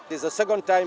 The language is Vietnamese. và sử dụng sản phẩm